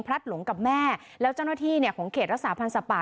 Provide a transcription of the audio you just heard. พลัดหลงกับแม่แล้วเจ้าหน้าที่ของเขตรักษาพันธุ์สัตปะ